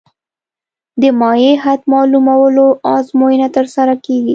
د مایع حد معلومولو ازموینه ترسره کیږي